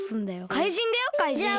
かいじんだよかいじん。